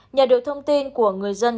nhờ được thông tin của người dân